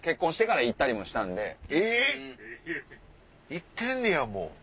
行ってんねやもう。